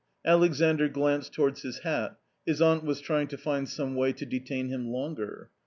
Alexandr glanced towards his hat, his aunt was trying to find some way to detain him longer.